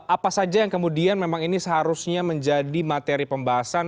apa saja yang kemudian memang ini seharusnya menjadi materi pembahasan